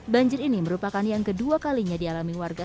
banjir ini merupakan yang kedua kalinya dialami warga